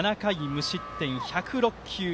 無失点１０６球。